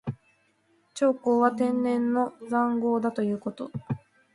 長江は天然の塹壕だということ。